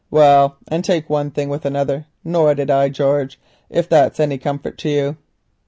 Well, and take one thing with another, nor did I, George, if that's any comfort to you.